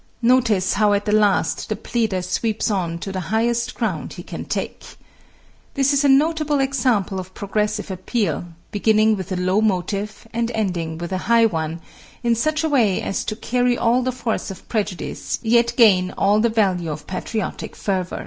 Notice how at the last the pleader sweeps on to the highest ground he can take. This is a notable example of progressive appeal, beginning with a low motive and ending with a high one in such a way as to carry all the force of prejudice yet gain all the value of patriotic fervor.